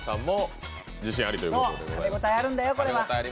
食べ応えあるんだよ、これは。